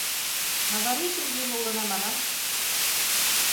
Магаричым йӱын улына, манам...